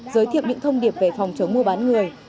giới thiệu những thông điệp về phòng chống mua bán người